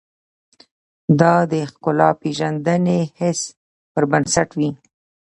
دا د ښکلا پېژندنې حس پر بنسټ وي.